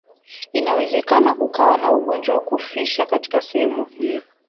Inawezekana kukawa na ugonjwa wa kufisha katika sehemu hiyo